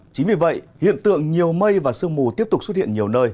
chính vì vậy hiện tượng nhiều mây và sương mù tiếp tục xuất hiện nhiều nơi